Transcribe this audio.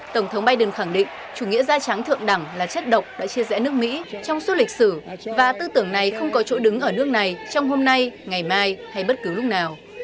tổng thống biden khẳng định chủ nghĩa da trắng thượng đẳng là chất độc đã chia rẽ nước mỹ trong suốt lịch sử và tư tưởng này không có chỗ đứng ở nước này trong hôm nay ngày mai hay bất cứ lúc nào